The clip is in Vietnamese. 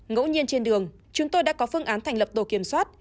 ngẫu nhiên trên đường chúng tôi đã có phương án thành lập tổ kiểm soát